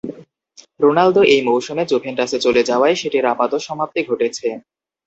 Ronaldo এই মৌসুমে জুভেন্টাসে চলে যাওয়ায় সেটির আপাত সমাপ্তি ঘটেছে।